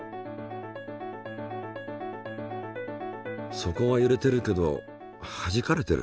底はゆれてるけどはじかれてる。